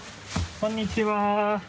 こんにちは。